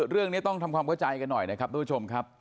เรื่องนี้ต้องทำความเข้าใจกันหน่อยนะครับทุกผู้ชมครับ